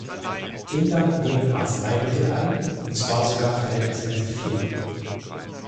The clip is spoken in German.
Kinder nehmen Arzneimittel ein, und zwar sogar verhältnismäßig viel.